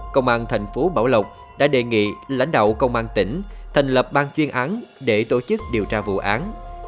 công an thành phố bảo lộc đã đề nghị lãnh đạo công an tỉnh thành lập ban chuyên án để tổ chức điều tra vụ án